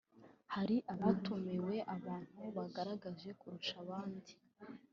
Hari hatumiwe abantu bagaragaje kurusha abandi